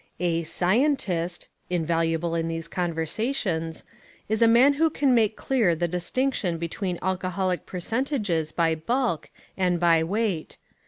A "scientist" (invaluable in these conversations) is a man who can make clear the distinction between alcoholic percentages by bulk and by weight.